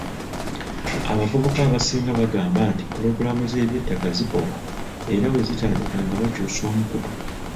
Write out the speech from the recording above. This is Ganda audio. Abavubuka abasinga bagamba nti pulogulaamu z'eby'ettaka zibowa era bwe zitandika nga bakyusa omukutu.